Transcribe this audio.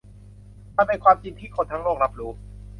มันเป็นความจริงที่คนทั้งโลกรับรู้